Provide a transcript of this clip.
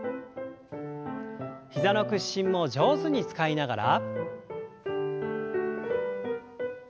膝の屈伸も上手に使いながら。